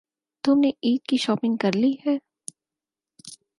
تم نے عید کی شاپنگ کر لی ہے؟